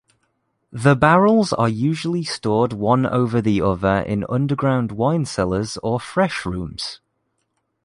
The barrels are usually stored one over the other in underground wine cellars or fresh rooms.